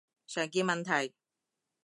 常見問題